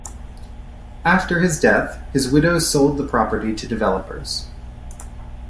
After his death, his widow sold the property to developers.